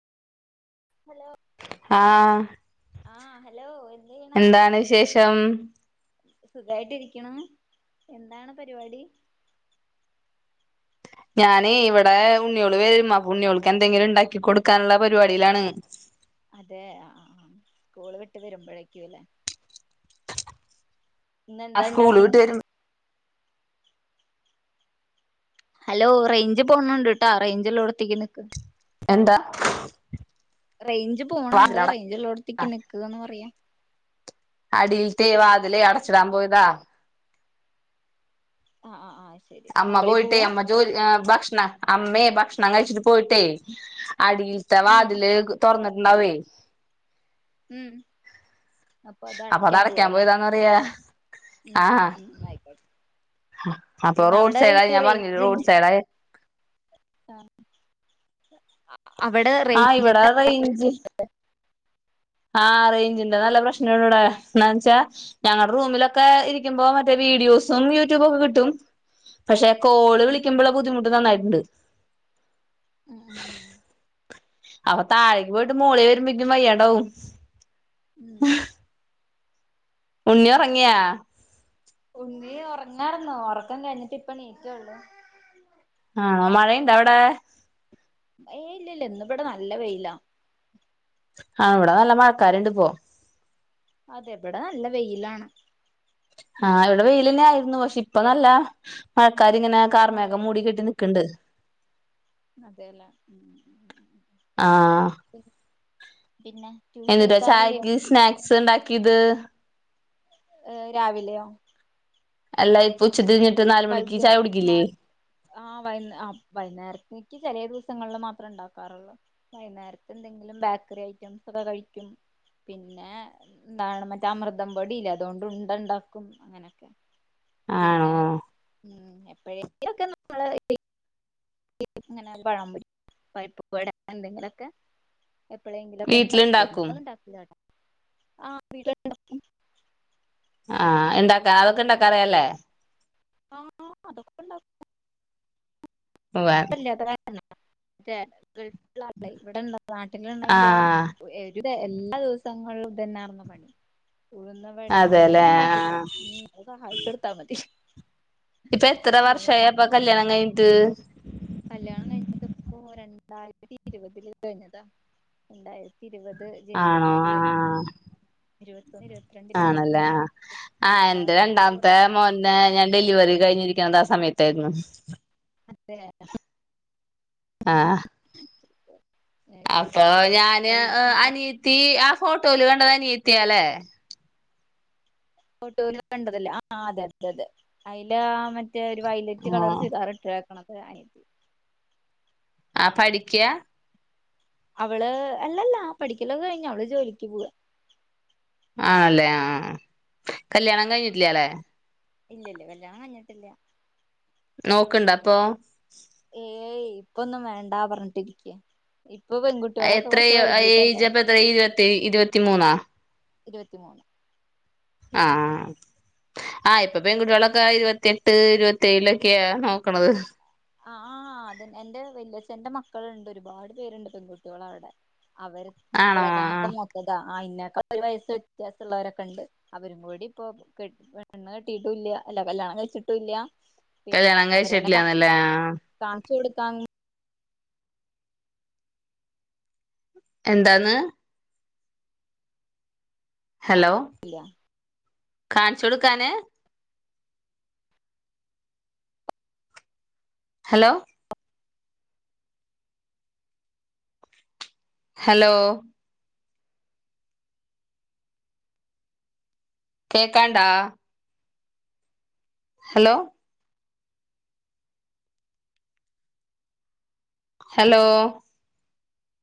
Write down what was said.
ആ ആഹ് ഹലോ എന്ത് എന്താണ് വിശേഷം? സുഖായിട്ട് ഇരിക്കണു. എന്താണ് പരിപാടി? ഞാന് ഇവിടെ ഉണ്ണികള് വരും. ഉണ്ണികോൾക്ക് എന്തെങ്കിലും ഉണ്ടാക്കി കൊടുക്കാനുള്ള പരിപാടിയിലാണ്. അതെ ആ സ്കൂള് വിട്ട് വരുമ്പോഴേക്കുംല്ലേ? ആ ഇന്ന്എന്താ സ്കൂള് ഉണ്ടാക്കണ്? വിട്ട് വരും ഹലോ റേഞ്ച് പോണുണ്ട് കേട്ടോ. റേഞ്ച് ഉള്ളടത്തേക്ക് നിക്ക്. എന്താ? റേഞ്ച് പോണ്ണ്ണ്ട് വാതിലട റേഞ്ച്ള്ളോടത്തേക്ക് നിക്ക് ന്ന് പറയാ അടീല്ത്തെ വാതിലയ് അടച്ചിടാൻ പോയതാ ആ ആ ആ അമ്മ പോയിട്ടേ അമ്മ ജോലി ഏഹ് ഭക്ഷണം അമ്മേ ഭക്ഷണം ഞാ കഴിച്ചിട്ട് പോയിട്ടേ അടിയിൽത്തെ ഉം വാതില് തോറന്ന് നവീസ് ഉം അപ്പൊ അത് അടക്യാൻ അടക്കാൻ പോവല്ലേ പോയതാന്ന് പറയാ ഉ ആഹ് ഉ ആയിക്കോട്ടെ അപ്പൊ പിന്നെ റോഡ് സൈഡായി ഈ ഞാൻ പറഞ്ഞ റോഡ് സൈഡായി ആഹ അവിടെ ആഹ് ഇവിടെ റേഞ്ചിന്റെ പ്രശ്നം ഇണ്ട് ലേ ആ റേഞ്ച്ന്റെ നല്ല പ്രശ്നള്ളൂടടെ ന്നവച്ചാ ഞങ്ങളുടെ റൂമിലൊക്കെ ഇരിക്കുമ്പോ മറ്റേ വീഡിയോസും യൂട്യൂബൊക്കെ കിട്ടും പക്ഷെ കോള് ഉം വിളിക്കുമ്പോള്ള ബുദ്ധിമു്ട്ട് നന്നായിട്ട്ണ്ട് ഉം ഉം [unintelligible] അപൊ താഴേക്ക് പോയിട്ട് മോളെ വരുമ്പേക്കും വയ്യാണ്ടാവും [inaudible] ഉണ്ണി ഒറങ്ങിയാ ഉറങ്ങാരുന്നു ഉറക്കം കഴിഞ്ഞിട്ടിപ്പൊ ണീറ്റൊള്ളു ആണോ മഴയുണ്ടവടെ ഏയ് ഇല്ലില്ല ഇന്നിവിടെ നല്ല വെയില ആ ഇവടെ നല്ല മഴക്കാരുണ്ടിപ്പോ അതെ ഇബടെ നല്ല വെയിലാണ്. ആഹ് ഇവിടെ വെയിലെന്നെ ആയിരു ക്ഷെ ഇപ്പ നല്ലആ ആക്കാരിങ്ങനെ കാർമേഘം മൂടി കെട്ടി നിക്ക്ണ്ട്. അതെലേ ആഹ് പിന്നെ ട്യൂഷൻ എന്നിട്ടാ എടുക്കാറില്ലേ? ചായക്ക് സ്നാക്സ് ഉണ്ടാക്കിയത് ഏഹ് രാവിലെയോ? അല്ലാ ഇപ്പോ ഉച്ചിതിരിഞ്ഞി വൈക് നേരത്തെ ആ വൈകു അപ്പൊ വൈകുന്നേരത്തേക്ക് ചില ദിവസങ്ങളിൽ മാത്ര ത്ര ഇ ണ്ടാക്കാറുള്ളൂ വൈകുന്നേരത്ത് എന്തെങ്കിലും ബേക്കറി ഐറ്റംസ് ഒക്കെ കഴിക്കും പിന്നെ എന്താണ് മറ്റേ അമൃതം പൊടില്ലേ അതുകൊണ്ട് ഉണ്ട ഉണ്ടാക്കും അങ്ങനെയൊക്കെ. ആണോ പിന്നെ എപ്പഴോകിലൊക്കെ നമ്മള് ങ്ങനെപഴം പൊരിക്കും പരിപ്പുവട എന്തെങ്കിലൊക്കെ എപ്പോഴെങ്കിലൊക്കെ ഇണ്ടാക്കുമ്പളെ വീട്ടിലുണ്ടാക്കും എപ്പോലൊന്നും ഇണ്ടാകൂല്ലാട്ടോ. ആ വീട്ടിലെല്ലാർകും. ആ ഇണ്ടാക്കാ അതൊക്കെ ഇണ്ടാക്കാ അറിയല്ലേ? ആ അതൊക്കെ ഉണ്ടാക്കും. ഉവ്വ് ആപ്പല്ലാത്ത കാര് [unintelligible] ഗൾഫിലുള്ള ആൾടെ ഇവടൊള്ള നാട്ടിലൊണ്ടെങ്കി ആഹ് ഒരു എല്ലാ ദെവസങ്ങളിലും തന്നാർന്നു പണി ഉഴുന്നവടെ അതെല്ലേ ആളന്നെഇണ്ടാക്കൂട്ടൊ ആഹ് ഇനി ഒന്ന് സഹായിച്ച് കൊടുത്താ മതി ഇപ്പ എത്ര വർഷായി അപ്പ കല്യാണം കഴിഞ്ഞിട്ട് കല്യാണം കഴിഞ്ഞിട്ടിപ്പോ രണ്ടായിരത്തി ഇരുപതില് കഴിഞ്ഞതാ രണ്ടായിരാത്തി ഇരുപത് ആണോ ജനുവരിയില് കഴിഞ്ഞതാ ആഹ് ഇരുവ ആണല്ലേ ആ അ എന്റെ ഇരുപത്താറ് ആറ് രണ്ടാമത്തെ വർഷം മോൻ്റെ ഞാൻ ഡെലിവറി കഴിഞ്ഞിരിക്കണത സ സമയത്തായിരുന്നു മറ്റേ ആഹ് അപ്പൊ ഇതില് ഞാൻ ഏ ഇന്ന് അനിയത്തി ആ ഫോട്ടോല് കണ്ടത് അനിയതി ത്തിയാലേ ഫോട്ടോല് കണ്ടതല്ലേ ആ അതെ അതെ അതെ അയില് മറ്റ് മറ്റേ ഒരു വയിലറ്റ് കളർ ആഹ് ചുരിതാറിട്ടത് കണക്ക് അനിയത്തി ആ പഠിക്യാ അവൾ അല്ലല്ലാ പഠിക്കലോക്കെ കഴിഞ്ഞ് അവൾ ജോലിക്ക് പോവാ ആണല്ലേ ആ കല്യാണം കഴിഞ്ഞിട്ടില്ല്യലേ ഇല്ലല്ല കല്ല്യാണം കയിഞ്ഞിട്ടില്ല നോക്കെണ്ടോ അപ്പൊ ഏയ് ഇപ്പൊന്നും വേണ്ടാ പറഞ്ഞ്ട്ടിരിക്യാ എത്ര ഏയ്ജ് അപ്പ എത്ര ഇരുപത്തി ഇരുപത്തി മൂന്നാ ഇരുപത്തി മൂന്ന് ആ ആ ഇപ്പൊ പെൺകുട്ടട്ട്യോളക്കെ ഇരുപത്തി എട്ട് ഇരുപത്തിയേഴൊക്കെയ നോക്കണത് അ ആ അതെന്നെ എൻ്റെ വെച്ചല്ല്യഛൻ്റെ മക്കളുണ്ട് ഒരുപാട് പേരുണ്ട് പെൺകുട്ട്യോളവടെ അവര് ആണോ വളെക്കാനൊക്കെ മൂത്തതാ ആ ഇന്ന ഒരു വയസ് വ്യത്യാസള്ളോര് ഒക്കെ ണ്ട് അവരും കൂടി ഇപ്പോ പെണ്ണ് കെട്ടീട്ടൂല്ല അല്ല കല്ല്യാണം കഴിച്ചിട്ടുംല്ല കല്ല്യാണം കഴിച്ചിട്ടില്ല നല്ല താണ് ചൂടു താങ്ങ് എന്താന്ന് ഹലോ ഇല്ല കാണിച്ചൊടുക്കാൻ ഹലോ ഹലോ കേക്കാണ്ടാ ഹലോ ഹലോ